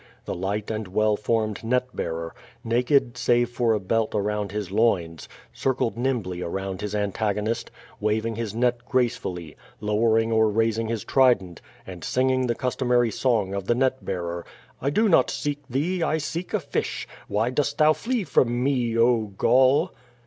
The light and well formed net bearer, naked, save for a belt around his loins, circled nimbly around his antagonist, waving his net gracefully, lowering or raising his trident, and singing the customary song of the net bearer. "I do not seek thee, I seek a fish. Why dost thou flee from me, oh, Gaul?"